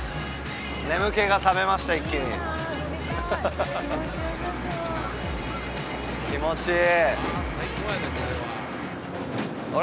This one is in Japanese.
眠気が覚めました一気に気持ちいいあれ？